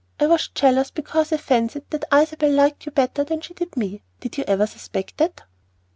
I was jealous because I fancied that Isabel liked you better than she did me. Did you ever suspect that?"